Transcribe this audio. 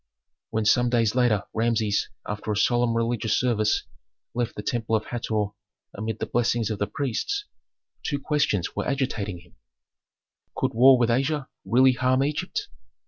When some days later Rameses, after a solemn religious service, left the temple of Hator amid the blessings of the priests, two questions were agitating him, Could war with Asia really harm Egypt?